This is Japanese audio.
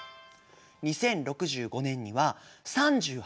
２０６５年には３８．４％。